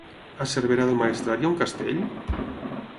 A Cervera del Maestrat hi ha un castell?